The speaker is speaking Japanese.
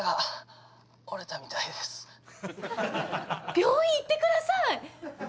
病院行ってください！